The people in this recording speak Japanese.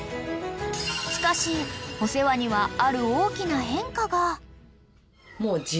［しかしお世話にはある大きな変化が］